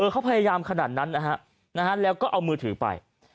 เขาพยายามขนาดนั้นนะฮะแล้วก็เอามือถือไป